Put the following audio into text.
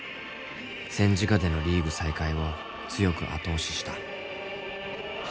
戦時下でのリーグ再開を強く後押しした。